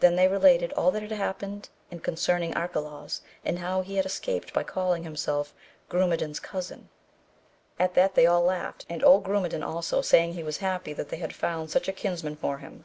Then they related all that had happened and concerning Arcalaus, and how he had escaped by calling himself Grumedan's cousin ; at that they all laughed, and old Grumedan also, saying he was happy they had found such a kins man for him.